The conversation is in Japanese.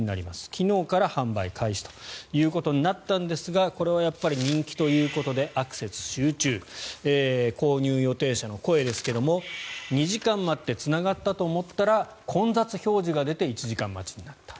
昨日から販売開始となったんですがこれは人気ということでアクセス集中購入予定者の声ですが２時間待ってつながったと思ったら混雑表示が出て１時間待ちになった。